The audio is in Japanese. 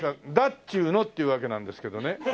っちゅーの！っていうわけなんですけどね。